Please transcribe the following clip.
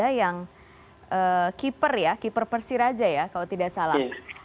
ada yang keeper ya keeper persiraja ya kalau tidak salah